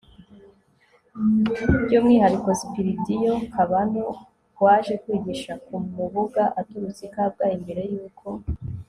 by'umwihariko spiridiyo kabano waje kwigisha ku mubuga aturutse i kabgayi, mbere y'uko